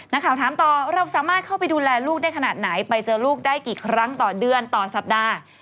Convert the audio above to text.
นักข่าวถามต่อเราสามารถเข้าไปดูแลลูกได้ขนาดไหนไปเจอลูกได้กี่ครั้งต่อเดือนต่อสัปดาห์